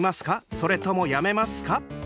それともやめますか？